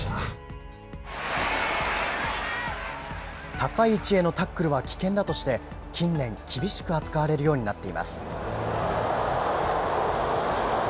高い位置へのタックルは危険だとして、近年、厳しく扱われるようになっています。